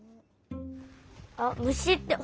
あっ「むし」ってほら